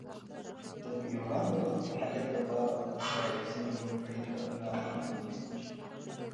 د انجوګانو د ښه فعالیت لپاره باید ځینې نور اړین ګامونه هم واخیستل شي.